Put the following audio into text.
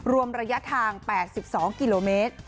รวมระยะทาง๘๒กิโลเมตร